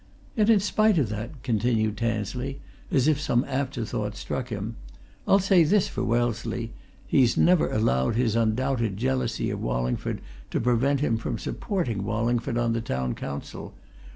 Yet, in spite of that," continued Tansley, as if some after thought struck him, "I'll say this for Wellesley: he's never allowed his undoubted jealousy of Wallingford to prevent him from supporting Wallingford on the Town Council.